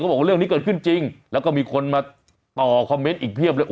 บอกว่าเรื่องนี้เกิดขึ้นจริงแล้วก็มีคนมาต่อคอมเมนต์อีกเพียบเลย